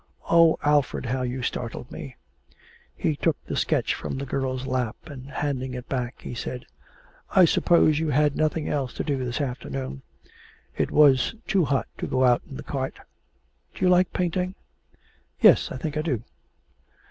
'Oh, Alfred, how you startled me!' He took the sketch from the girl's lap, and handing it back, he said: 'I suppose you had nothing else to do this afternoon; it was too hot to go out in the cart. Do you like painting?' 'Yes, I think I do.'